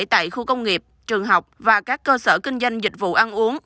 tại khu công nghiệp trường học và các cơ sở kinh doanh dịch vụ ăn uống